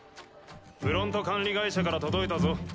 フロント管理会社から届いたぞ。